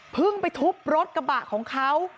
เพิ่งไปทุบรถกระบะของเขา